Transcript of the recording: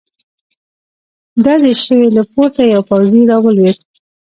ډزې شوې، له پورته يو پوځې را ولوېد.